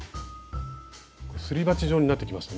すり鉢状になってきましたね。